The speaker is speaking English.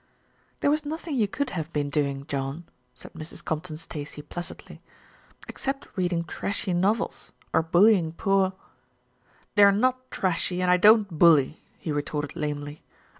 "There was nothing you could have been doing, John," said Mrs. Compton Stacey placidly, "except reading trashy novels, or bullying poor " "They're not trashy, and I don't bully," he retorted lamely.